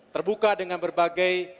terbuka dengan berbagai